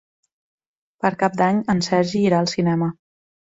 Per Cap d'Any en Sergi irà al cinema.